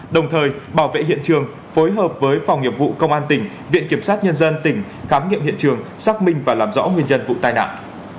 đồng thời bảo vệ hiện trường phối hợp với phòng nghiệp vụ công an tỉnh viện kiểm sát nhân dân tỉnh khám nghiệm hiện trường xác minh và làm rõ nguyên nhân vụ tai nạn